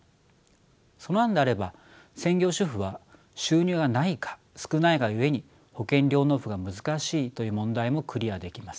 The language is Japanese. その案であれば専業主婦は収入がないか少ないがゆえに保険料納付が難しいという問題もクリアできます。